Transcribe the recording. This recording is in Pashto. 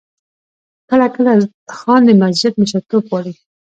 کله کله خان د مسجد مشرتوب غواړي.